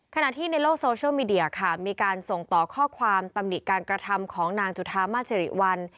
ขณะที่ในโลกโซเชียลมีเดียค่ะมีการส่งต่อข้อความตำหนิการกระทำของนางจุธามาสิริวัล